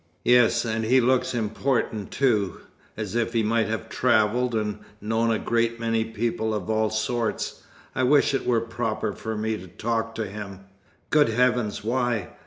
"Yes. And he looks important too as if he might have travelled, and known a great many people of all sorts. I wish it were proper for me to talk to him." "Good Heavens, why?"